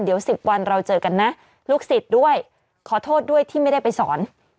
เดี๋ยว๑๐วันเราเจอกันนะลูกศิษย์ด้วยขอโทษด้วยที่ไม่ได้ไปสอน